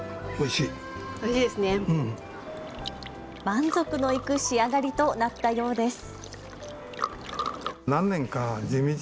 満足のいく仕上がりとなったようです。